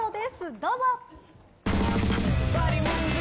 どうぞ。